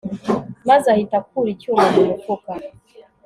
maze ahita akura icyuma mu mufuka